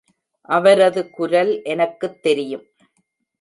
அவரது குரல் எனக்குத் தெரியும்.